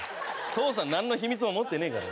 父さんなんの秘密も持ってねえから。